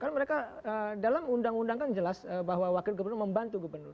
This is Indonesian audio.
karena mereka dalam undang undang kan jelas bahwa wakil gubernur membantu gubernur